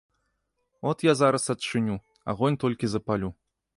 От я зараз адчыню, агонь толькі запалю.